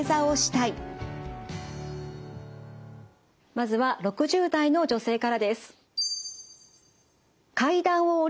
まずは６０代の女性からです。